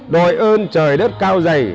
đồi ơn trời đất cao dày